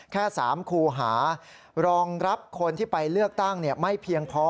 แค่๓คูหารองรับคนที่ไปเลือกตั้งไม่เพียงพอ